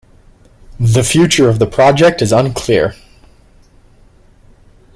The future of the project is unclear.